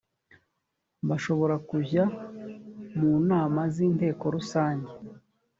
bashobora kujya mu nama z inteko rusange